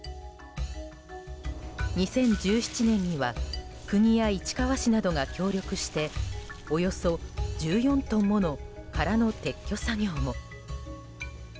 ２０１７年には国や市川市などが協力しておよそ１４トンもの殻の撤去作業も。